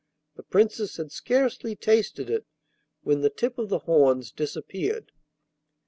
The Princess had scarcely tasted it, when the tip of the horns disappeared.